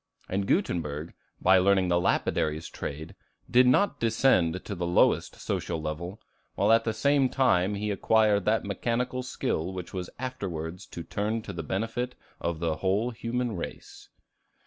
And Gutenberg, by learning the lapidary's trade, did not descend to the lowest social level, while at the same time he acquired that mechanical skill which was afterwards to turn to the benefit of the whole human race.